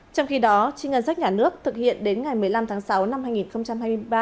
trong khi đó chi ngân sách nhà nước thực hiện đến ngày một mươi năm tháng sáu năm hai nghìn hai mươi ba